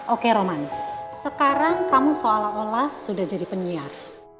oke roman sekarang kamu seolah olah sudah jadi penyiar